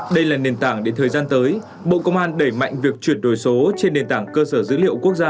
đây là nền tảng để thời gian tới bộ công an đẩy mạnh việc chuyển đổi số trên nền tảng cơ sở dữ liệu quốc gia